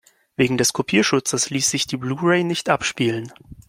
Wegen des Kopierschutzes ließ sich die Blu-ray nicht abspielen.